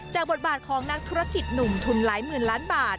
บทบาทของนักธุรกิจหนุ่มทุนหลายหมื่นล้านบาท